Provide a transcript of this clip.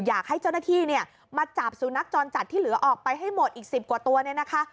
อยากให้เจ้าหน้าที่เนี่ยมาจับสุนัขจรจัดที่เหลือออกไปให้หมดอีก๑๐กว่าตัวเนี่ยนะคะ